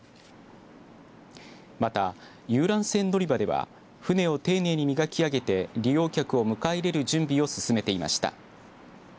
また、遊覧船乗り場では船を丁寧に磨き上げて利用客を迎え入れる準備を進めていました。